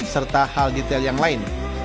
serta hal detail yang lain